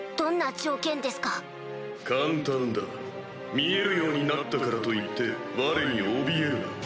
見えるようになったからといって我におびえるな。